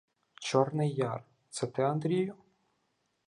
— Чорний яр! Це ти Андрію?